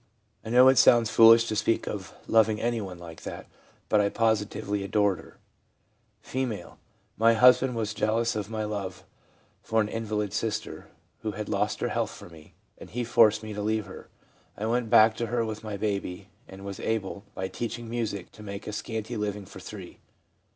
I know it sounds foolish to speak of loving anyone like that, but I positively adored her.' F. ' My husband was jealous of my love for an invalid sister, who had lost her health for me, and he forced me to leave her. I went back to her with my baby, and was able, by teaching music, to make a scanty living for three.